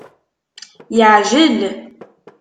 Yeɛjel.